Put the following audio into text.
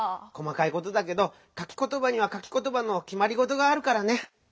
こまかいことだけどかきことばにはかきことばのきまりごとがあるからね。